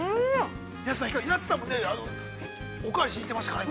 ◆安さんも、おかわりしにいってましたからね。